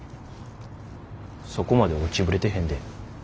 そこまで落ちぶれてへんで。